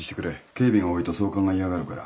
警備が多いと総監が嫌がるから。